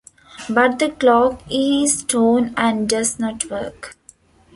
But the cloak is torn and does not work.